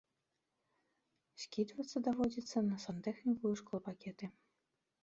Скідвацца даводзіцца на сантэхніку і шклопакеты.